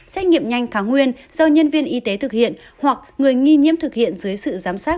xét nghiệm nhanh kháng nguyên do nhân viên y tế thực hiện hoặc người nghi nhiễm thực hiện dưới sự giám sát